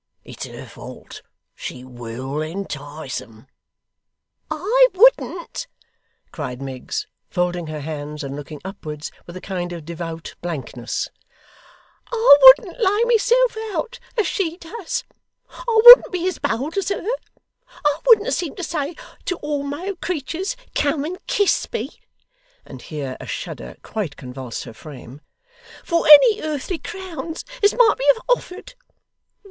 It's her fault. She WILL entice 'em.' 'I wouldn't,' cried Miggs, folding her hands and looking upwards with a kind of devout blankness, 'I wouldn't lay myself out as she does; I wouldn't be as bold as her; I wouldn't seem to say to all male creeturs "Come and kiss me"' and here a shudder quite convulsed her frame 'for any earthly crowns as might be offered.